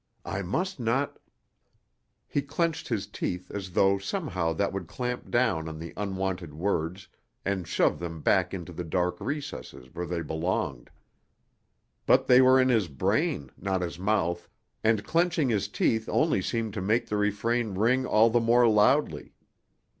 I must not ..." He clenched his teeth as though somehow that would clamp down on the unwanted words and shove them back into the dark recesses where they belonged. But they were in his brain, not his mouth, and clenching his teeth only seemed to make the refrain ring all the more loudly.